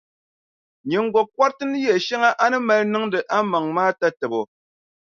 Nyiŋgokɔriti ni yɛʼ shɛŋa a ni mali niŋdi a maŋa maa tatabo.